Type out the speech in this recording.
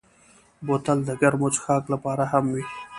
بوتل د ګرمو څښاکو لپاره هم وي.